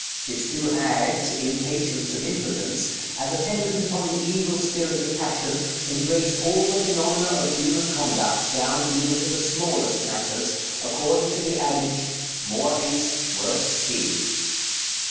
His two hags, Impatience and Impotence, as attendant upon the evil spirit of Passion, embrace all the phenomena of human conduct, down even to the smallest matters, according to the adage, "More haste, worse speed."